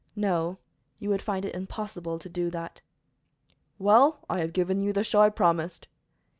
"No, you would find it impossible to do that." "Well, I have given you the show I promised."